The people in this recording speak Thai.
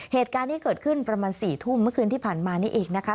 เหตุการณ์ที่เกิดขึ้นประมาณ๔ทุ่มเมื่อคืนที่ผ่านมานี่เองนะคะ